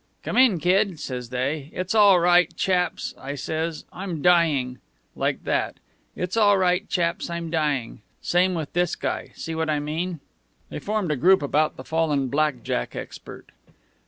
'Come in, Kid,' says they. 'It's all right, chaps,' I says, 'I'm dying.' Like that. 'It's all right, chaps, I'm dying.' Same with this guy. See what I mean?" They formed a group about the fallen black jack expert.